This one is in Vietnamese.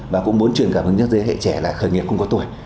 và cũng muốn truyền cảm hứng nhất giới hệ trẻ là khởi nghiệp không có tuổi